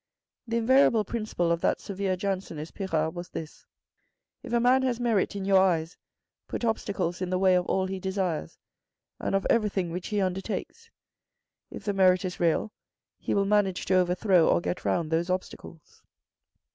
The invariable principle of that severe Jansenist Pirard was this — "if a man has merit in your eyes, put obstacles in the way of all he desires, and of everything which he undertakes. If the merit is real, he will manage to overthrow or get round those obstacles."